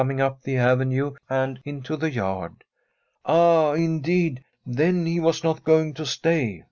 fig =p tbe arenne and into the yard. Ah, aB5ecc! tbcn be was not going to stay.